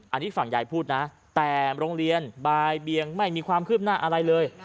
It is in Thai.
อันนี้ฝั่งยายพูดนะแต่โรงเรียนบายเบียงไม่มีความคืบหน้าอะไรเลย